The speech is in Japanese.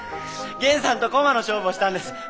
源さんと駒の勝負をしたんです。